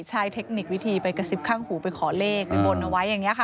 ใช่เทคนิควิธีไปกระซิบข้างหูไปขอเลขไปบนเอาไว้อย่างนี้ค่ะ